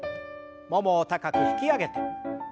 ももを高く引き上げて。